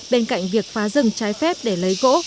bên cạnh việc phá rừng trái phép để lấy gỗ